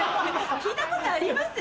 聞いたことあります？